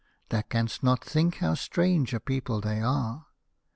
Thou canst not think how strange a people they are.